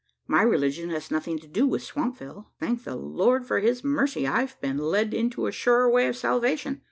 My religion has nothing to do with Swampville. Thank the Lord for his mercy, I've been led into a surer way of salvation.